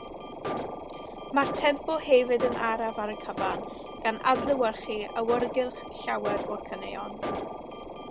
Mae'r tempo hefyd yn araf ar y cyfan, gan adlewyrchu awyrgylch llawer o'r caneuon.